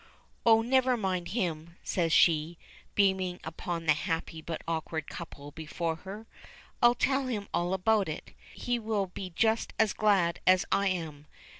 "Oh, never mind him," says she, beaming upon the happy but awkward couple before her. "I'll tell him all about it. He will be just as glad as I am.